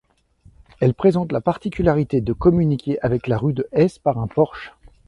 Elle présente la particularité de communiquer avec la rue de Hesse par un porche.